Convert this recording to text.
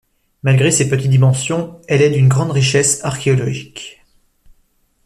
Malgré ses petites dimensions, elle est d'une grande richesse archéologique.